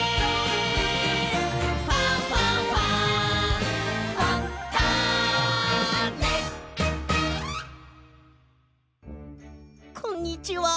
「ファンファンファン」こんにちは。